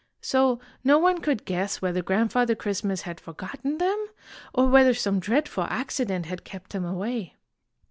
So no one could guess whether Grandfather Christmas had forgotten them, or whether some dreadful accident had kept him away.